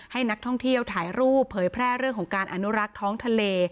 ให้นักท่องเที่ยวถ่ายรูปเผยแพร่เรื่องของการอนุรักษ์ท้องทะเล